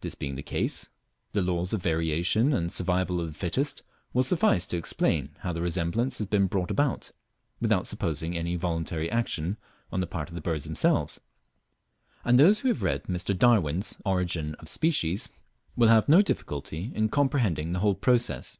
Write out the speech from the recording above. This being case, the laws of Variation and Survival of the Fittest, will suffice to explain how the resemblance has been brought about, without supposing any voluntary action on the part of the birds themselves; and those who have read Mr. Darwin's "Origin of Species" will have no difficulty in comprehending the whole process.